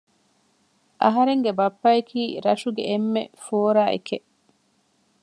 އަހަރެންގެ ބައްޕައަކީ ރަށުގެ އެންމެ ފޯރާއެކެއް